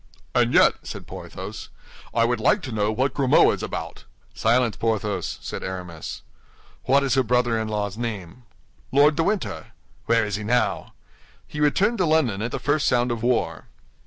"And yet," said Porthos, "I would like to know what Grimaud is about." "Silence, Porthos!" said Aramis. "What is her brother in law's name?" "Lord de Winter." "Where is he now?" "He returned to London at the first sound of war."